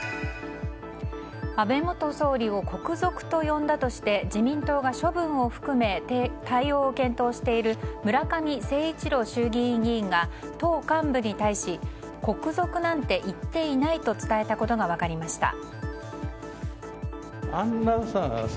安倍元総理を国賊と呼んだとして自民党が処分を含め対応を検討している村上誠一郎衆議院議員が党幹部に対し国賊なんて言っていないと伝えたことが分かりました。